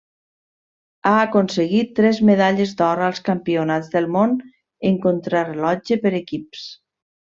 Ha aconseguit tres medalles d'or als Campionats del Món en Contrarellotge per equips.